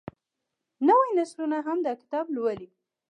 نوې نسلونه هم دا کتاب لولي.